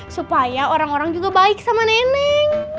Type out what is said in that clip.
supaya orang orang juga baik sama nenek